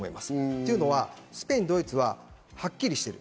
というのはスペイン、ドイツははっきりしている。